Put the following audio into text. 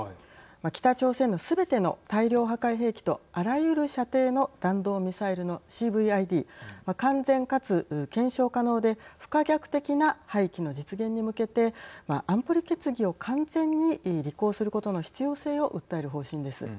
北朝鮮のすべての大量破壊兵器とあらゆる射程の弾道ミサイルのＣＶＩＤ＝完全かつ検証可能で不可逆的な廃棄の実現に向けて安保理決議を完全に履行することの必要性を訴える方針です。